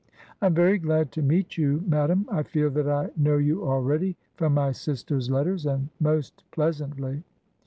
I am very glad to meet you, madam. I feel that I know you already from my sister's letters, and most pleas antly."